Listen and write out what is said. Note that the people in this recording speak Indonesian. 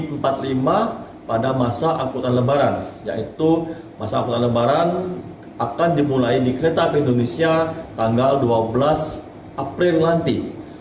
pembelian tiket angkutan lebaran tahun ini akan mulai di kereta api indonesia tanggal dua belas april nanti